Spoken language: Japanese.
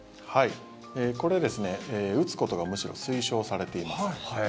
これですね、打つことがむしろ推奨されています。